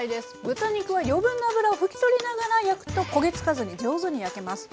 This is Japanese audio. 豚肉は余分な脂を拭き取りながら焼くと焦げ付かずに上手に焼けます。